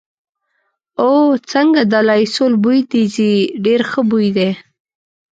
او، څنګه د لایسول بوی دې ځي، ډېر ښه بوی دی.